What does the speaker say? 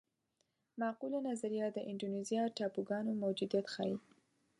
معقوله نظریه د اندونیزیا ټاپوګانو موجودیت ښيي.